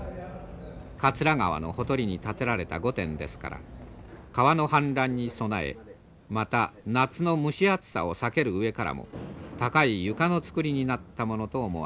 桂川のほとりに建てられた御殿ですから川の氾濫に備えまた夏の蒸し暑さを避ける上からも高い床の造りになったものと思われます。